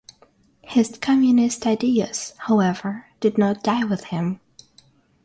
His communist ideals, however, did not die with him.